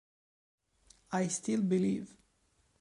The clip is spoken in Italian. I Still Believe